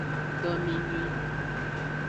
Domenyui.